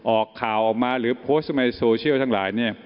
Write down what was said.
ออกข่าวออกมาหรือโพสต์ในโซเชียลทั้งหลายเนี่ย